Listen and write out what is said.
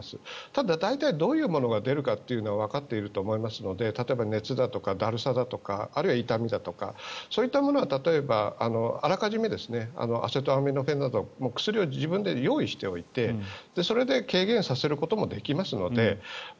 ただ、大体どういうものが出るかというのはわかっていると思いますので例えば熱だとか、だるさだとかあるいは痛みだとかそういったものは例えばあらかじめアセトアミノフェンなど薬を自分で用意しておいてそれで軽減させることもできますので。